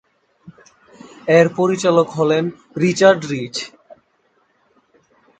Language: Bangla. এর পরিচালক হলেন রিচার্ড রিচ।